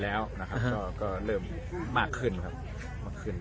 แล้วก็เริ่มเริ่มมากขึ้นครับ